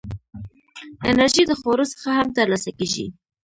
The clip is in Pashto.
انرژي د خوړو څخه هم ترلاسه کېږي.